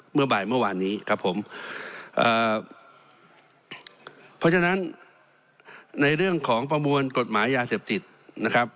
เมื่อบ่ายเมื่อวานนี้ครับผมเพราะฉะนั้นในเรื่องของประมวลกฎหมายยาเสพติดนะครับ